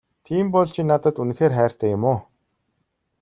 Тийм бол чи надад үнэхээр хайртай юм уу?